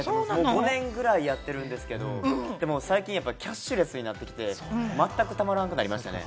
５年ぐらいやってるんですけれども、最近やっぱキャッシュレスになってきて、まったく貯まらなくなりましたね。